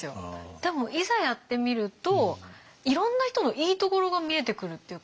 でもいざやってみるといろんな人のいいところが見えてくるっていうか